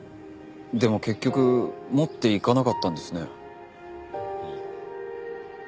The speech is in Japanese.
でも結局持っていかなかったんですね。